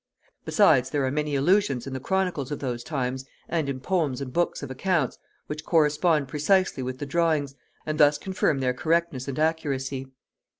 Besides, there are many allusions in the chronicles of those times, and in poems and books of accounts, which correspond precisely with the drawings, and thus confirm their correctness and accuracy.